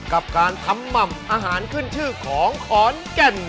กับการทำหม่ำอาหารขึ้นชื่อของขอนแก่น